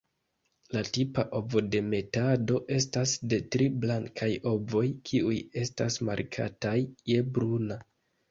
La tipa ovodemetado estas de tri blankaj ovoj, kiuj estas markataj je bruna.